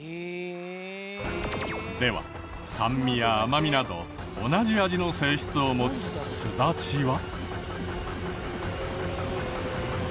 では酸味や甘みなど同じ味の性質を持つすだちは。